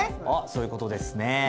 おっそういうことですね。